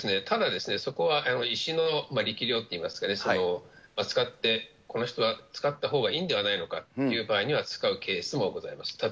ただですね、そこは医師の力量といいますかね、扱って、この人が使ったほうがいいんではないのかという場合には、使うケースもございます。